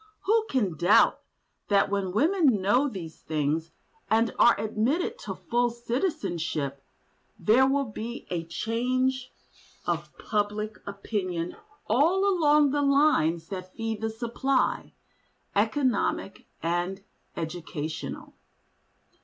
Who can doubt that when women know these things and are admitted to full citizenship, there will be a change of public opinion all along the lines that feed the supply—economic and educational?